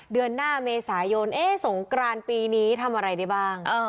เดือนหน้าเมษายนสงกรานปีนี้ทำอะไรได้บ้าง